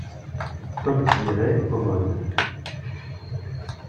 Comme qui dirait Pomone…